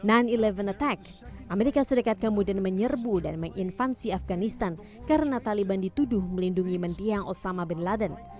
sembilan sebelas attack amerika serikat kemudian menyerbu dan menginfansi afganistan karena taliban dituduh melindungi mendiang osama bin laden